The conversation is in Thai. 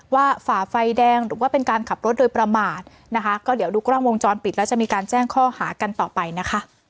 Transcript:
ฝ่าไฟแดงหรือว่าเป็นการขับรถโดยประมาทนะคะก็เดี๋ยวดูกล้องวงจรปิดแล้วจะมีการแจ้งข้อหากันต่อไปนะคะ